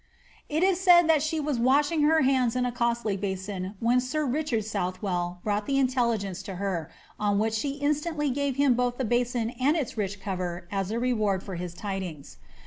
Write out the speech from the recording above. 185 It is said that she was washing her hands in^a costly basin when sir Richard Southwell brought the intelligence to her, on which she in iUQtly gare him both the basin and its rich cover as a reward for his tidings.